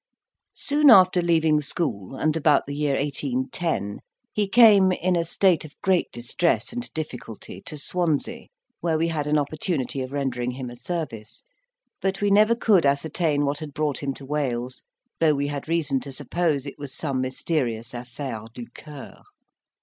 Soon after leaving school, and about the year 1810, he came, in a state of great distress and difficulty, to Swansea, when we had an opportunity of rendering him a service; but we never could ascertain what had brought him to Wales, though we had reason to suppose it was some mysterious affaire du coeur.